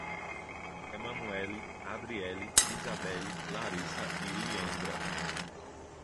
Emanuelly, Adrielly, Isabelli, Laryssa e Liandra